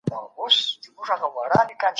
تاسو به د هر نوي کار پیل په بسم الله کوئ.